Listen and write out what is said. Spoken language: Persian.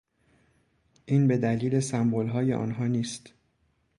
این به دلیل سمبلهای آنها نیست